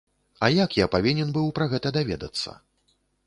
А як я павінен быў пра гэта даведацца?